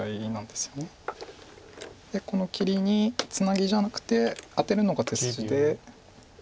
でこの切りにツナギじゃなくてアテるのが手筋で。